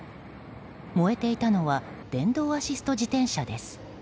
燃えていたのは電動アシスト自転車です。